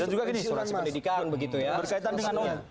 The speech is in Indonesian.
dan juga gini asuransi pendidikan begitu ya